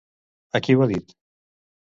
A qui ho ha dit?